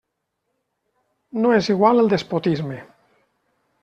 No és igual el despotisme.